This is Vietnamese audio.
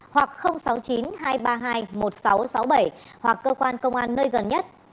hoặc sáu mươi chín hai trăm ba mươi hai một nghìn sáu trăm sáu mươi bảy hoặc cơ quan công an nơi gần nhất